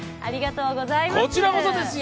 こちらこそですよ！